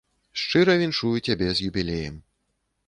Шчыра віншую цябе з юбілеем.